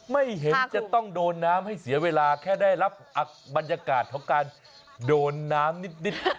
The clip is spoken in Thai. ไม่เห็นจะต้องโดนน้ำให้เสียเวลาแค่ได้รับบรรยากาศของการโดนน้ำนิด